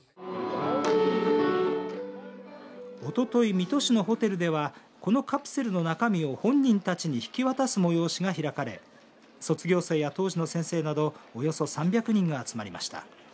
おととい、水戸市のホテルではこのカプセルの中身を本人たちに引き渡す催しが開かれ卒業生や当時の先生などおよそ３００人が集まりました。